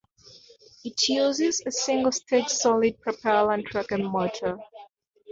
It uses a single-stage solid propellant rocket motor.